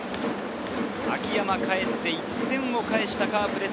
秋山がかえって１点をかえしたカープ。